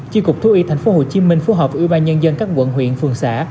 chi cục thu y tp hcm phú hợp ưu ba nhân dân các quận huyện phường xã